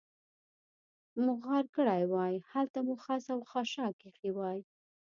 مو غار کړې وای، هلته مو خس او خاشاک اېښي وای.